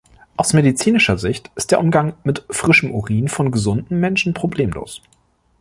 Aus medizinischer Sicht ist der Umgang mit frischem Urin von gesunden Menschen problemlos.